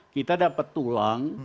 kita dapat tulang